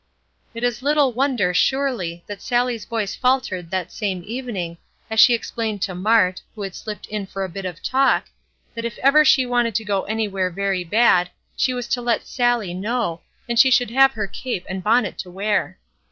It is little wonder, surely, that Sallie's voice faltered that same evening, as she explained to Mart, who had slipped in for a bit of talk, that if ever she wanted to go anywhere very bad, she was to let Sallie know, and she should have her cape and bonnet to wear.